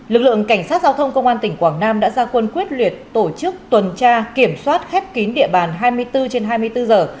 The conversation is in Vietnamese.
lực lượng cảnh sát giao thông công an tỉnh quảng nam đã ra quân quyết liệt tổ chức tuần tra kiểm soát khép kín địa bàn hai mươi bốn trên hai mươi bốn giờ